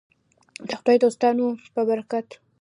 د خدای دوستانو په برکت.